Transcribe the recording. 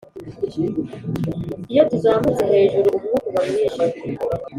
iyo tuzamutse hejuru, umwuka uba mwinshi.